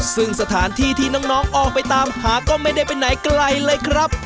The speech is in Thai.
ซึ่งสถานที่ที่น้องออกไปตามหาก็ไม่ได้ไปไหนไกลเลยครับ